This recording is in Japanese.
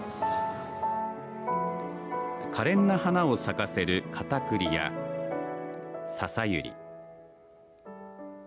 かれんな花を咲かせるカタクリやササユリ